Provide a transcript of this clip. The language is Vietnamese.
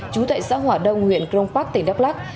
trú tại xã hỏa đông huyện cron park tỉnh đắk lắc